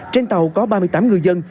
trên tàu có ba mươi tám người dân